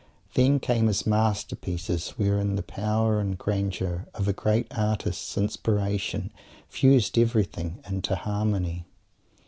Then came his masterpieces wherein the power and grandeur of a great artist's inspiration fused everything into harmony.